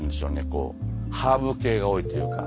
こうハーブ系が多いというか。